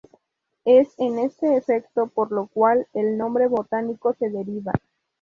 Es en este efecto por lo cual el nombre botánico se deriva.